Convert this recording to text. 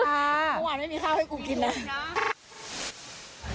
เมื่อวานไม่มีข้าวให้กูกินนะ